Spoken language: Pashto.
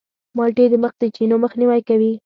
مالټې د مخ د چینو مخنیوی کوي.